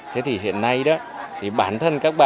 thế thì hiện nay đó thì bản thân các bà